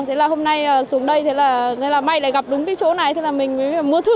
thế là hôm nay xuống đây may lại gặp đúng cái chỗ này thế là mình mới mua thử